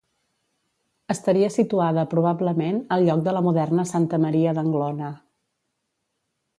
Estaria situada probablement al lloc de la moderna Santa Maria d'Anglona.